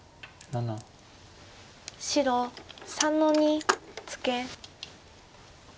白３の二ツケ。